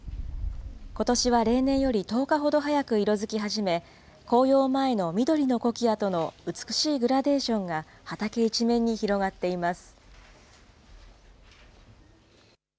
ことしは例年より１０日ほど早く色づき始め、紅葉前の緑のコキアとの美しいグラデーションが畑一面に広がっています。